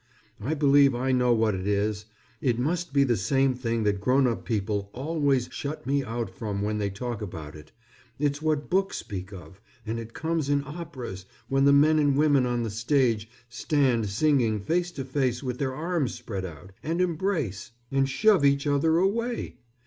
I believe I know what it is. It must be the same thing that grown up people always shut me out from when they talk about it. It's what books speak of, and it comes in operas when the men and women on the stage stand singing face to face with their arms spread out, and embrace, and shove each other away.